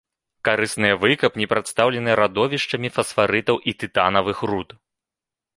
Карысныя выкапні прадстаўлены радовішчамі фасфарытаў і тытанавых руд.